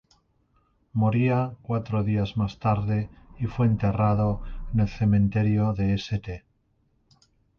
Moría cuatro días más tarde y fue enterrado en el cementerio de St.